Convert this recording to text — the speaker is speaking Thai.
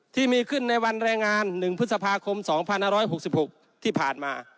ที่มีขึ้นในวันแรงงาน๑พฤษภาคม๒๕๖๖ที่ผ่านมา